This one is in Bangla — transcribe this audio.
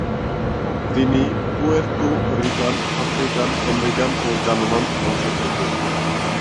তিনি পুয়ের্তো রিকান, আফ্রিকান আমেরিকান এবং জার্মান বংশোদ্ভূত।